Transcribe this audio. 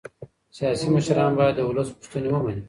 سياسي مشران بايد د ولس غوښتني ومني.